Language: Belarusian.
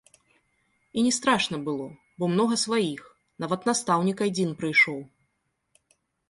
І не страшна было, бо многа сваіх, нават настаўнік адзін прыйшоў.